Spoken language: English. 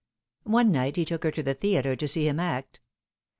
One night he took her to the theatre to see him act.